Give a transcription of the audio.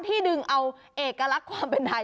ที่ดึงเอาเอกลักษณ์ความเป็นไทย